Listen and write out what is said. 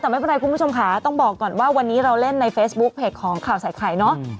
แต่ไม่เป็นไรคุณผู้ชมค่ะต้องบอกก่อนว่าวันนี้เราเล่นในเฟซบุ๊คเพจของข่าวใส่ไข่เนาะ